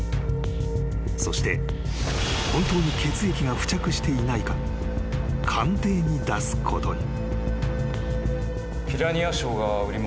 ［そして本当に血液が付着していないか鑑定に出すことに］